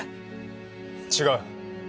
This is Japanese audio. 違う。